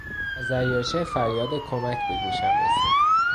از دریاچه فریاد کمک به گوشم رسید.